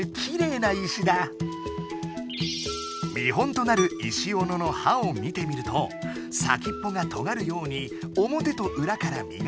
見本となる石オノの刃を見てみると先っぽがとがるようにおもてとうらから磨かれている。